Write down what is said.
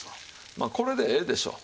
まあこれでええでしょう。